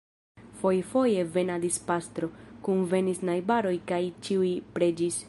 Fojfoje venadis pastro, kunvenis najbaroj kaj ĉiuj preĝis.